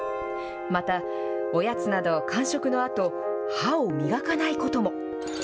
また、おやつなど間食のあと、歯を磨かないことも。